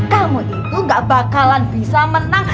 kamu itu gak bakalan bisa menang